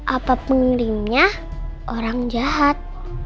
apa pengirimnya orang jahat